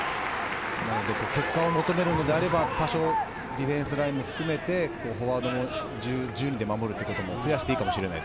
結果を求めるのであればディフェンスラインも含めて、フォワードも含めて守るということも考えなければいけません。